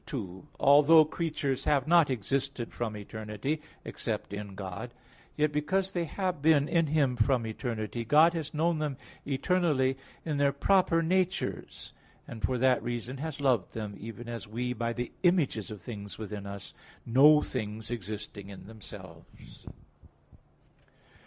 2: Although creatures have not existed from eternity, except in God, yet because they have been in Him from eternity, God has known them eternally in their proper natures; and for that reason has loved them, even as we, by the images of things within us, know things existing in themselves.